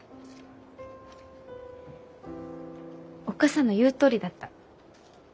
おっ母さんの言うとおりだった。